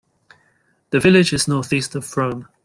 The village is north-east of Frome.